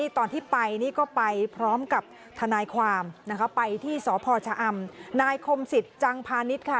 ตอนที่ไปนี่ก็ไปพร้อมกับทนายความไปที่สพอนายคมศิษย์จังพานิตค่ะ